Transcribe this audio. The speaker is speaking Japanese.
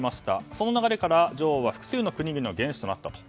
その流れから女王は複数の国々でも元首となったと。